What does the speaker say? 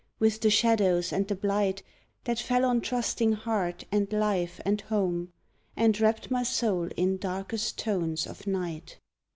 with the shadows and the blight That fell on trusting heart and life and home, And wrapped my soul in darkest tones of night!